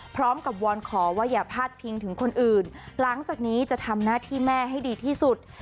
วอนขอว่าอย่าพาดพิงถึงคนอื่นหลังจากนี้จะทำหน้าที่แม่ให้ดีที่สุด